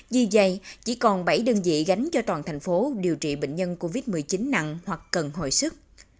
vì vậy chỉ còn bảy đơn vị gánh cho toàn thành phố điều trị bệnh nhân covid một mươi chín nặng hoặc cần hội sức